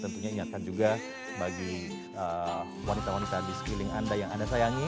tentunya ingatan juga bagi wanita wanita di sekeliling anda yang anda sayangi